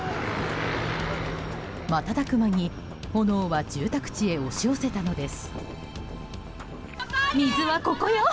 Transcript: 瞬く間に炎は住宅地へ押し寄せたのです。